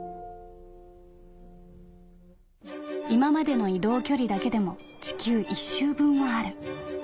「今までの移動距離だけでも地球一周分はある。